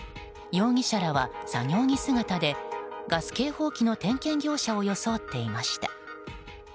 容疑者らは作業着姿でガス警報器の点検業者を装っていました。